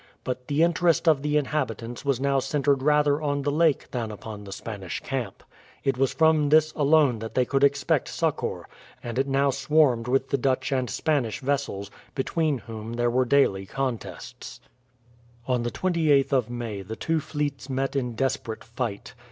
But the interest of the inhabitants was now centred rather on the lake than upon the Spanish camp. It was from this alone that they could expect succour, and it now swarmed with the Dutch and Spanish vessels, between whom there were daily contests. On the 28th of May the two fleets met in desperate fight.